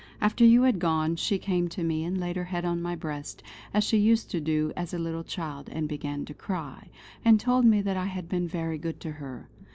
After you had gone she came to me and laid her head on my breast, as she used to do as a little child, and began to cry; and told me that I had been very good to her.